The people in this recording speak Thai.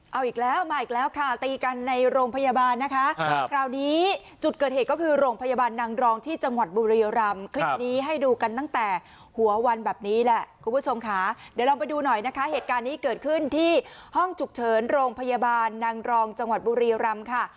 เอาอีกแล้วมาอีกแล้วค่ะตีกันในโรงพยาบาลนะคะคราวนี้จุดเกิดเหตุก็คือโรงพยาบาลนางรองที่จังหวัดบุรีรำคลิปนี้ให้ดูกันตั้งแต่หัววันแบบนี้แหละคุณผู้ชมค่ะเดี๋ยวลองไปดูหน่อยนะคะเหตุการณ์นี้เกิดขึ้นที่ห้องฉุกเฉินโรงพยาบาลนางรองจังหวัดบุรีรำค่ะ